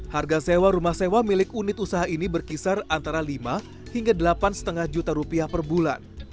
harga sewa rumah sewa milik unit usaha ini berkisar antara lima hingga delapan lima juta rupiah per bulan